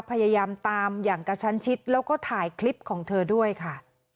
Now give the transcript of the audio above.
พยายามตามอย่างกระชั้นชิดแล้วก็ถ่ายคลิปของเธอด้วยค่ะ